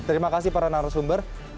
terima kasih para narasumber